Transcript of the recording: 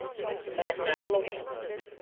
« sagde den anden Muus.